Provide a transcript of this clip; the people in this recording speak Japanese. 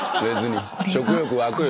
食欲湧くよ